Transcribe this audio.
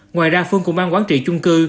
ngoài ra phương cũng mang quản trị chung cư